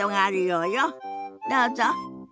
どうぞ。